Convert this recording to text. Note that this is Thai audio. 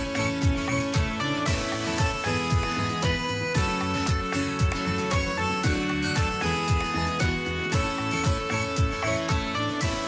โปรดติดตามตอนต่อไป